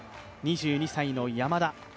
２２歳の山田。